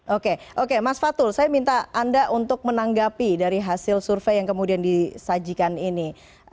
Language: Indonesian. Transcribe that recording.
oke oke mas fatul saya minta anda untuk menanggapi dari hasil survei yang kemudian disajikan ini